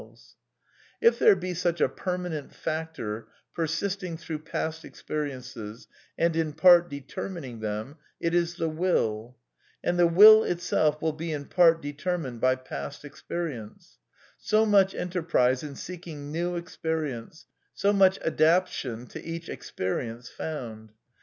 94 A DEFENCE OF IDEALISM If there be such a permanent factor persisting through past experiences, and in part determining them, it is the Will; and the Will itself will be in part determined by past experience ; so much enterprise in seeking new expe rience, so much adaption to each experience found.